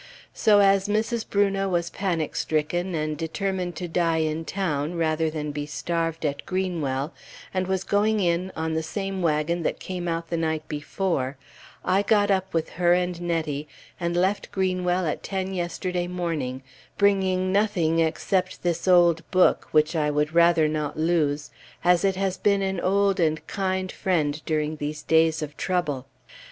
So as Mrs. Brunot was panic stricken and determined to die in town rather than be starved at Greenwell, and was going in on the same wagon that came out the night before, I got up with her and Nettie, and left Greenwell at ten yesterday morning, bringing nothing except this old book, which I would rather not lose, as it has been an old and kind friend during these days of trouble.